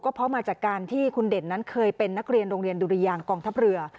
เพราะมาจากการที่คุณเด่นนั้นเคยเป็นนักเรียนโรงเรียนดุริยางกองทัพเรือ